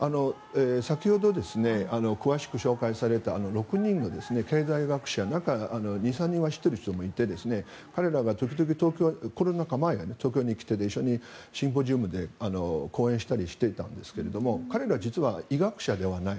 先ほど、詳しく紹介された６人の経済学者２３人は知っている人もいて彼らが時々、コロナ禍前に東京に来ていて一緒にシンポジウムで講演をしていたりしたんですが彼ら実は医学者ではない。